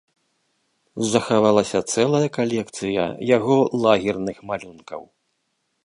Захавалася цэлая калекцыя яго лагерных малюнкаў.